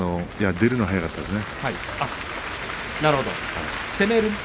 出るのが早かったですね。